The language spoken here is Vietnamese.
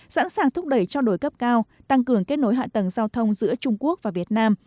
sẵn sàng thúc đẩy cho đổi cấp cao tăng cường kết nối hạ tầng giao thông giữa trung quốc và việt nam